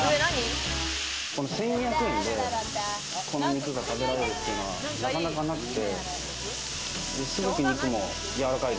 １２００円で、この肉が食べられるというのは、なかなかなくて。